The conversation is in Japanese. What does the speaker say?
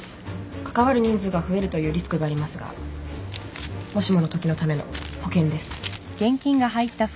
関わる人数が増えるというリスクがありますがもしものときのための保険です